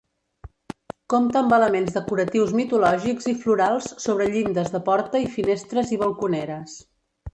Compta amb elements decoratius mitològics i florals sobre llindes de porta i finestres i balconeres.